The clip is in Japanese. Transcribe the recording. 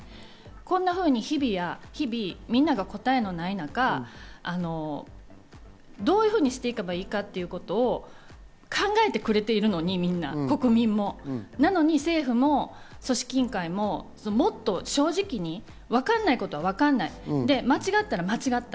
こんなふうに日々、みんなが答えのない中、どういうふうにしていけばいいかということを考えてくれているのに、みんな国民も、なのに政府も組織委員会ももっと正直に、わかんないことはわかんない、間違ったら間違った。